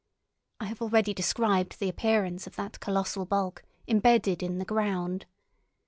I have already described the appearance of that colossal bulk, embedded in the ground.